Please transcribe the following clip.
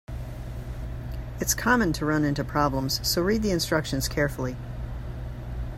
It's common to run into problems, so read the instructions carefully.